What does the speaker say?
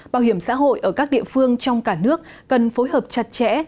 bảo hiểm xã hội ở các địa phương trong cả nước cần phối hợp chặt chẽ